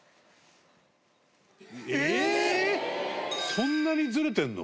そんなにずれてるの？